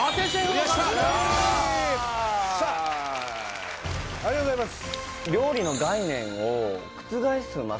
ありがとうございます